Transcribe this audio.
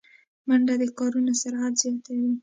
منډه د کارونو سرعت زیاتوي